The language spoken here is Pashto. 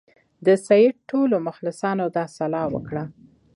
د سید ټولو مخلصانو دا سلا ورکړه.